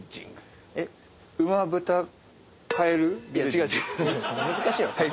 違う違う。